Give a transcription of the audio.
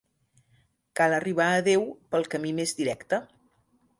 Cal arribar a Déu pel camí més directe.